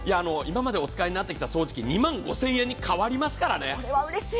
今までお使いになってきた掃除機、２万５０００円に変わりますからね。